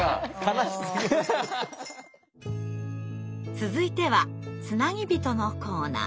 続いては「つなぎびと」のコーナー。